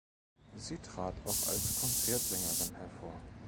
Sie trat auch als Konzertsängerin hervor.